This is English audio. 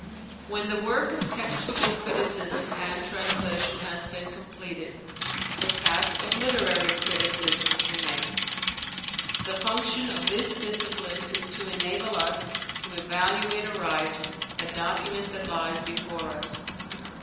When the work of textual criticism and translation has been completed, the task of literary criticism remains. The function of this discipline is to enable u§ to evaluate aright the document that lies before us.